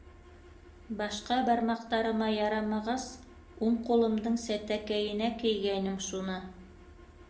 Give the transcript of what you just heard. Башҡа бармаҡтарыма ярамағас, уң ҡулымдың сәтәкәйенә кейгәйнем шуны...